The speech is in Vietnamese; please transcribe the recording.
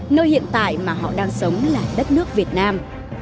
nơi hiện tại mà họ đang sống là đất nước việt nam